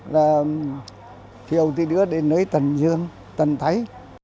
là thiếu đi đứa đến nơi tận dương tận thái